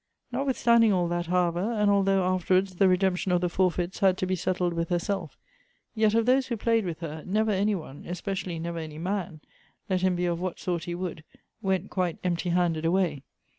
Notwithstanding all that, however, and although after wards the redemption of the forfeits had to be settled with herself, yet of those who played with her, never any one, especially never any man, let him be of what sort he would, went quite empty handed away.